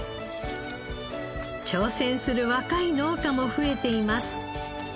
挑戦する若い農家も増えています。